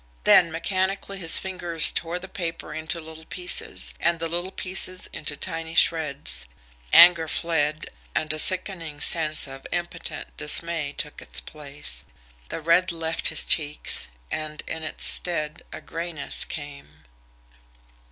Then mechanically his fingers tore the paper into little pieces, and the little pieces into tiny shreds. Anger fled, and a sickening sense of impotent dismay took its place; the red left his cheeks, and in its stead a grayness came.